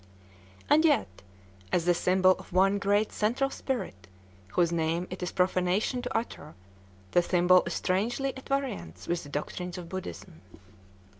And yet, as the symbol of One great Central Spirit, whose name it is profanation to utter, the symbol is strangely at variance with the doctrines of Buddhism.